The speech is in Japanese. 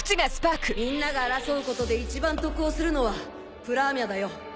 みんなが争うことで一番得をするのはプラーミャだよ。